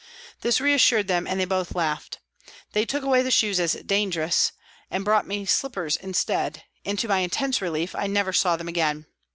This reassured them and they both laughed. They took away the shoes as " dangerous," and brought me slippers instead, and, to my intense relief, I never saw them again.